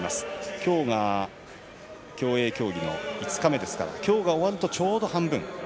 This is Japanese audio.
きょうが競泳競技の５日目ですからきょうが終わるとちょうど半分。